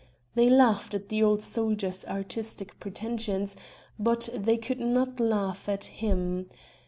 They laughed at the old soldier's artistic pretensions, but they could not laugh at him.